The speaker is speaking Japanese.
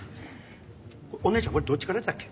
お姉ちゃんこれどっちからやったっけ？